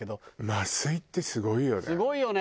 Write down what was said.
麻酔ってすごいよね。